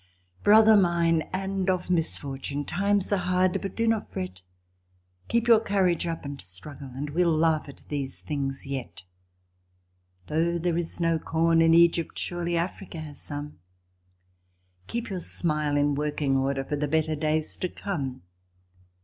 Brother mine, and of misfortune ! times are hard, but do not fret, Keep your courage up and struggle, and we'll laugh at these things yet. Though there is no corn in Egypt, surely Africa has some Keep your smile in working order for the better days to come